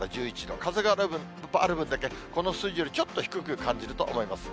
風がある分だけ、この数字よりちょっと低く感じると思います。